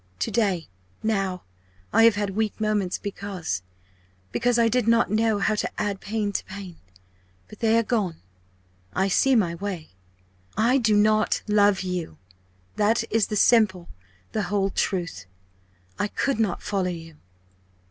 To day now I have had weak moments, because because I did not know how to add pain to pain. But they are gone I see my way! I do not love you that is the simple, the whole truth I could not follow you!"